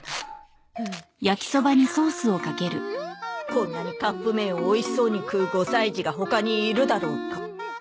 こんなにカップ麺をおいしそうに食う５歳児が他にいるだろうか？